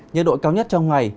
nhiệt độ cao nhất trong ngày